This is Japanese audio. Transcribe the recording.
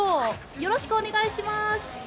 よろしくお願いします。